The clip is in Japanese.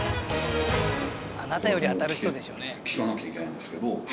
あなたより当たる人ですよね。